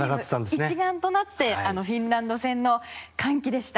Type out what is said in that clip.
チーム一丸となってフィンランド戦の歓喜でした。